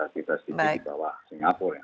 kita sedikit di bawah singapura ya